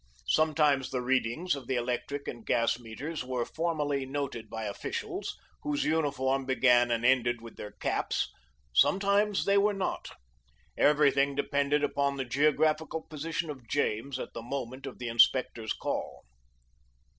Sometimes the readings of the electric and gas meters were formally noted by officials, whose uniform began and ended with their caps; sometimes they were not. Everything depended upon the geographical position of James at the moment of the inspector's call.